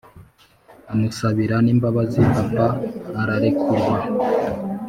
amusabira nimbabazi papa ararekurwa